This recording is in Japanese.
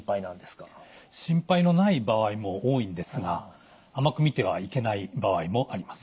心配のない場合も多いんですが甘く見てはいけない場合もあります。